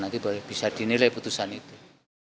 nanti bisa dinilai putusan itu